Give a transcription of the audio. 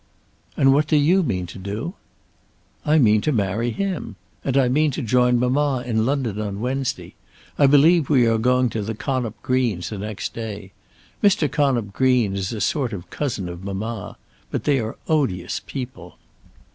"And what do you mean to do?" "I mean to marry him. And I mean to join mamma in London on Wednesday. I believe we are to go to the Connop Green's the next day. Mr. Connop Green is a sort of cousin of mamma; but they are odious people."